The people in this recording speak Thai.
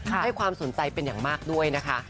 ให้ความสนใจเป็นอย่างมากด้วยนะคะ